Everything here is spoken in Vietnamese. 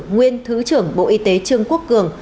nguyên thứ trưởng bộ y tế trương quốc cường